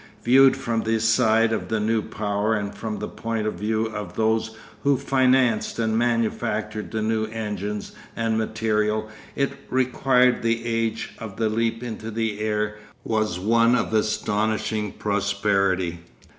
Viewed from the side of the new power and from the point of view of those who financed and manufactured the new engines and material it required the age of the Leap into the Air was one of astonishing prosperity.